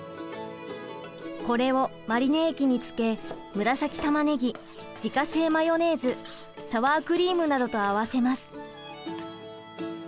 これをマリネ液に漬け紫たまねぎ自家製マヨネーズサワークリームなどと合わせます。